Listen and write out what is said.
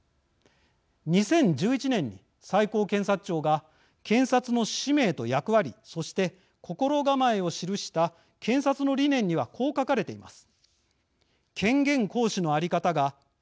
２０１１年に最高検察庁が検察の使命と役割そして心構えを記した検察の理念にはこう書かれています。